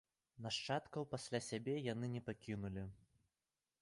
Нашчадкаў пасля сябе яны не пакінулі.